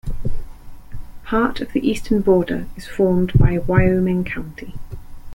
Part of the eastern border is formed by Wyoming County.